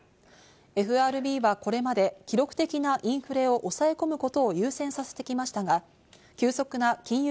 ＦＲＢはこれまで記録的なインフレを抑え込むことを優先させてきましたが、急速な金融